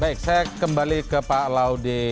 baik saya kembali ke pak laude